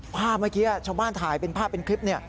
ภาพเมื่อกี้ชาวบ้านถ่ายเป็นภาพเป็นคลิป